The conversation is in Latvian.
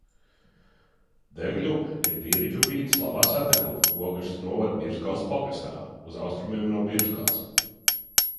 Degļupīte ir Dīriķupītes labā satekupe Ogres novada Birzgales pagastā, uz austrumiem no Birzgales.